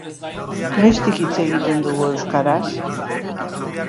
Noiztik hitz egiten dugu euskaraz?